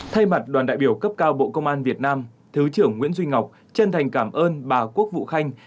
thay mặt đoàn đại biểu cấp cao bộ công an việt nam thứ trưởng nguyễn duy ngọc chân thành cảm ơn bà quốc vụ khanh